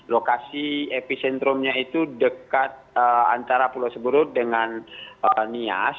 lokasi epicentrumnya itu dekat antara pulau seberut dengan nias